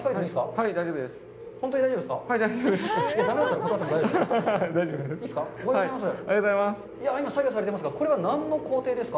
はい、大丈夫です。